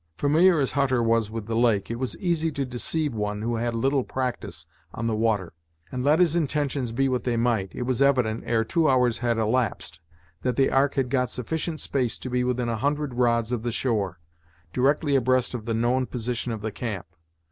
Familiar as Hutter was with the lake, it was easy to deceive one who had little practice on the water; and let his intentions be what they might, it was evident, ere two hours had elapsed, that the ark had got sufficient space to be within a hundred rods of the shore, directly abreast of the known position of the camp.